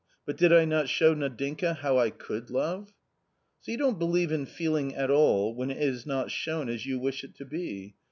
But did I not show Nadinka how I could love ?" So you don't believe in feeling at all, when it i^not shown as you wish it to be